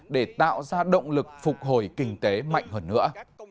để tạo ra động lực phục hồi kinh tế mạnh hơn nữa